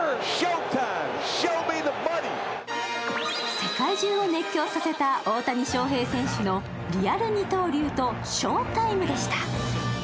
世界中を熱狂させた大谷翔平選手のリアル二刀流とショータイムでした。